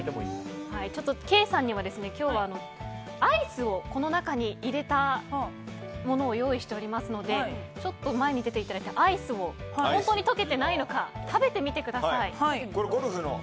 ケイさんには今日はアイスを、この中に入れたものを用意しておりますのでちょっと前に出ていただいてアイスを本当に溶けてないのか食べるの？